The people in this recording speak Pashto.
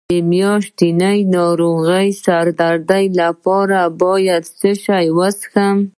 د میاشتنۍ ناروغۍ د سر درد لپاره باید څه شی وڅښم؟